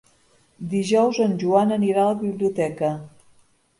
Dijous en Joan anirà a la biblioteca.